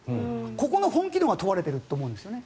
ここの本気度が問われていると思うんですね。